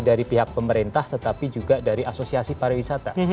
dari pihak pemerintah tetapi juga dari asosiasi pariwisata